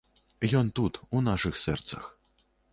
Ён тут, у нашых сэрцах.